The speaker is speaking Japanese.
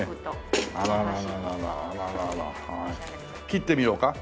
切ってみようか？